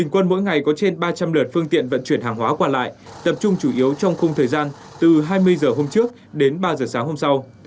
quân mỗi ngày có trên ba trăm linh lượt phương tiện vận chuyển hàng hóa qua lại tập trung chủ yếu trong khung thời gian từ hai mươi h hôm trước đến ba h sáng hôm sau